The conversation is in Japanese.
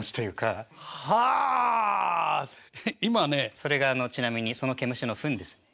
それがちなみにそのケムシのフンですね。